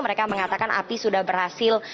mereka mengatakan api sudah berhasil